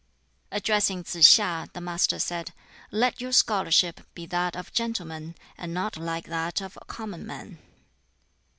Addressing Tsz hiŠ, the Master said, "Let your scholarship be that of gentlemen, and not like that of common men."